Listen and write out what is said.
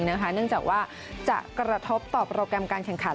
เนื่องจากว่าจะกระทบต่อโปรแกรมการแข่งขัน